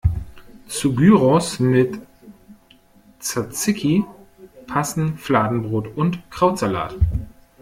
Zu Gyros mit Tsatsiki passen Fladenbrot und Krautsalat.